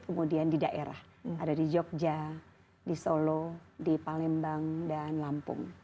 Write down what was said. kemudian di daerah ada di jogja di solo di palembang dan lampung